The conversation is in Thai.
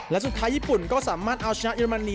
และสุดท้ายญี่ปุ่นก็สามารถเอาชนะเยอรมนี